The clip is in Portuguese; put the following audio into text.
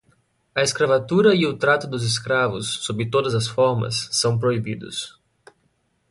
a escravatura e o trato dos escravos, sob todas as formas, são proibidos.